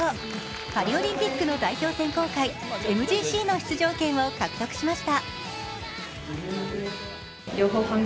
パリオリンピックの代表選考会、ＭＧＣの出場権を獲得しました。